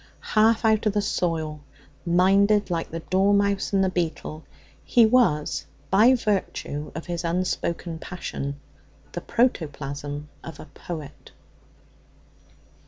Half out of the soil, minded like the dormouse and the beetle, he was, by virtue of his unspoken passion, the protoplasm of a poet.